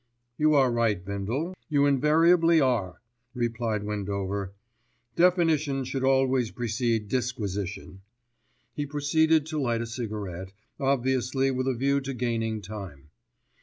"You are right, Bindle, you invariably are," replied Windover. "Definition should always precede disquisition." He proceeded to light a cigarette, obviously with a view to gaining time.